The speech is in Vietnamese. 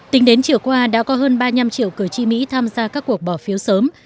tính đến chiều qua đã có hơn ba năm trăm linh cử tri mỹ tham gia các cuộc bỏ phiếu sớm